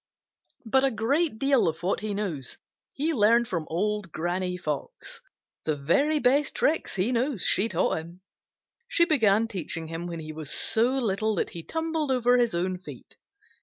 But a great deal of what he knows he learned from Old Granny Fox. The very best tricks he knows she taught him. She began teaching him when he was so little that he tumbled over his own feet.